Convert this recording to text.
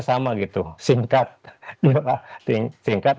bersama gitu singkat singkat